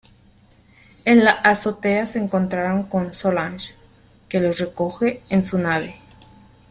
En la azotea se encontraron con Solace que los recoge en su nave.